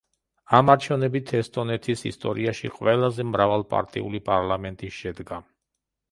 ამ არჩევნებით ესტონეთის ისტორიაში ყველაზე მრავალპარტიული პარლამენტი შედგა.